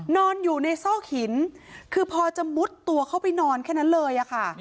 นอนอยู่ในซอกหินคือพอจะมุดตัวเข้าไปนอนแค่นั้นเลยค่ะ